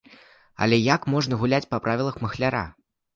Але як можна гуляць па правілах махляра?